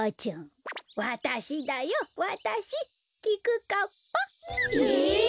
わたしだよわたしきくかっぱ。え？